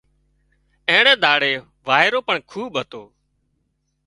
اينڻي ۮاڙئي وائيرو پڻ خوٻ هتو